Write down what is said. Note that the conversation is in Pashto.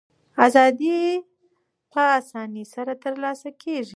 ازادي په آسانۍ نه ترلاسه کېږي.